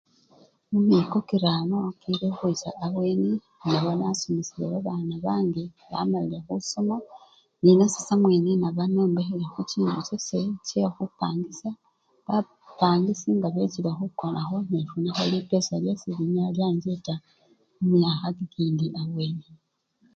Mumiko kirano kilikhukhwicha atayi, enaba nasomesile babana bange bamalile khusoma nenase samwene inaba nombekhilekho chinju chase chekhupangisya, bapangisyi nga bechile khukonamo, nefunakho lipesa lyase linyala lyancheta mumyakha kikindi abweni.